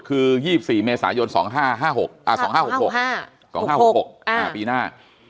คือ๒๔เมษายน๒๕๖๖๒๕๖๖ปีหน้า